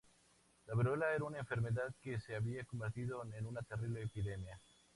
La viruela era una enfermedad que se había convertido en una terrible epidemia.